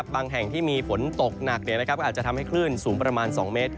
แห่งที่มีฝนตกหนักก็อาจจะทำให้คลื่นสูงประมาณ๒เมตร